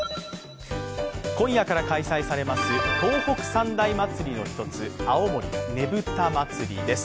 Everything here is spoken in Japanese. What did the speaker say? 今夜から開催されます東北三大祭の一つ、青森ねぶた祭です。